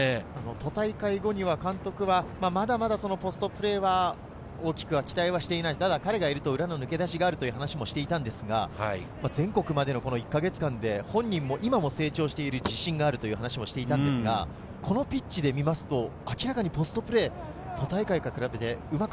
都大会後には監督はまだまだポストプレーは大きく期待はしていない、ただ彼がいると、裏の抜け出しがあると話していたんですが、全国までの１か月間で本人も今も成長している自信があると話していたんですが、このピッチで見ると、明らかにポストプレー、都大会から比べてうまく。